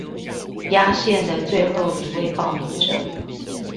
壓線的最後一位報名者